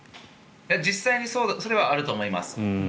実際にそれはあると思います。